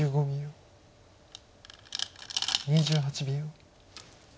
２８秒。